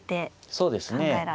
そうですね。